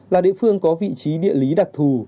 là địa phương có vị trí địa lý đặc thù